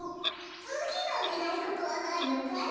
つぎのねがいごとはないのかい？